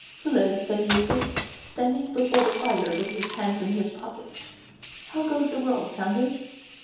"Hullo!" said Eustace, standing before the fire with his hands in his pockets. "How goes the world, Saunders?